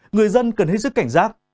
người dân cần hết sức cảnh giác